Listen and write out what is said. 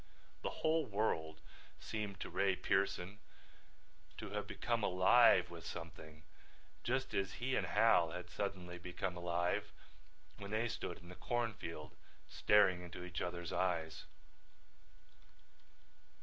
The whole world seemed to Ray Pearson to have become alive with something just as he and Hal had suddenly become alive when they stood in the corn field staring into each other's eyes.